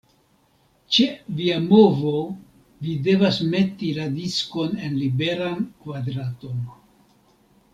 Ĉe via movo vi devas meti la diskon en liberan kvadraton.